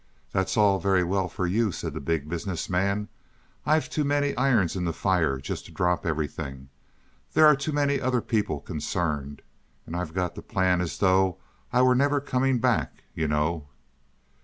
"That's all very well for you," said the Big Business Man, "I've too many irons in the fire just to drop everything there are too many other people concerned. And I've got to plan as though I were never coming back, you know."